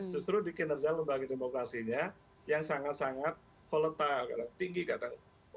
justru di kinerja lembaga demokrasinya yang sangat sangat volatile tinggi kadang